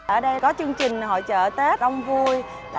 ở đây có chương trình hội chợ tết ông vui